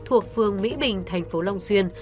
thuộc phường mỹ bình thành phố long xuyên